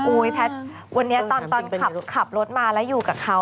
แพทย์วันนี้ตอนขับรถมาแล้วอยู่กับเขา